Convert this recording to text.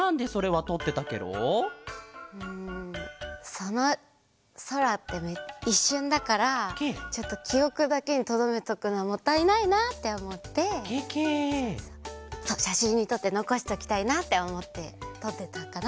そのそらっていっしゅんだからちょっときおくだけにとどめとくのはもったいないなっておもってしゃしんにとってのこしておきたいなっておもってとってたかな。